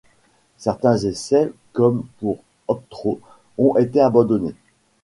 Certains essais comme pour Optro, ont été abandonnés.